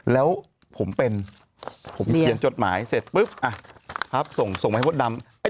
แล้วผมเป็นผมเขียนจดหมายเสร็จปุ๊บอ่ะครับส่งมาให้มดดำ